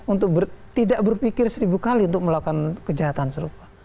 untuk tidak berpikir seribu kali untuk melakukan kejahatan serupa